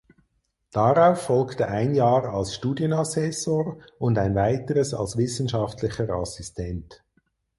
Darauf folgte ein Jahr als Studienassessor und ein weiteres als Wissenschaftlicher Assistent.